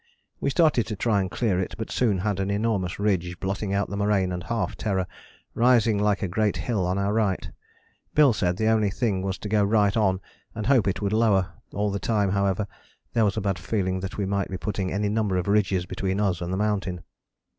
We started to try and clear it, but soon had an enormous ridge, blotting out the moraine and half Terror, rising like a great hill on our right. Bill said the only thing was to go right on and hope it would lower; all the time, however, there was a bad feeling that we might be putting any number of ridges between us and the mountain.